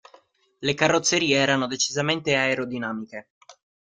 Le carrozzerie erano decisamente aerodinamiche.